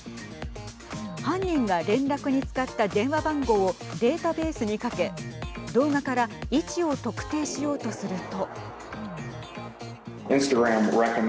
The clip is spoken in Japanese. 犯人が連絡に使った電話番号をデータベースにかけ動画から位置を特定しようとすると。